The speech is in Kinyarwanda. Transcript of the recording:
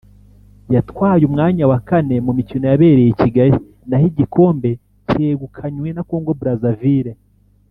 yatwaye umwanya wa kane mu mikino yabereye i Kigali naho igikombe cyegukanywe na Congo Brazzaville